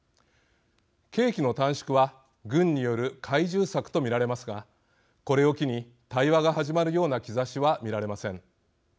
刑期の短縮は軍による懐柔策と見られますがこれを機に対話が始まるような兆しは見られません。